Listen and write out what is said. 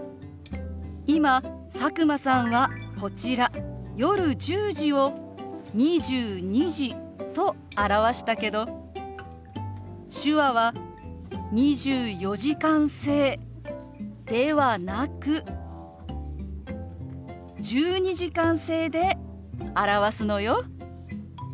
今佐久間さんはこちら「夜１０時」を「２２時」と表したけど手話は２４時間制ではなく１２時間制で表すのよ。